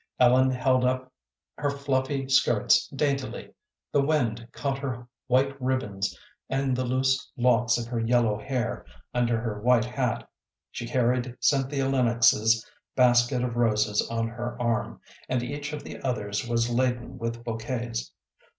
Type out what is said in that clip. Ellen held up her fluffy skirts daintily, the wind caught her white ribbons and the loose locks of her yellow hair under her white hat. She carried Cynthia Lennox's basket of roses on her arm, and each of the others was laden with bouquets.